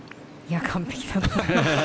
完璧だと思います。